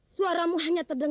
suaramu hanya terburu buru